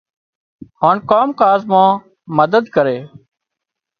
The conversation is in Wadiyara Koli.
هانَ ڪام ڪاز مان مدد ڪري۔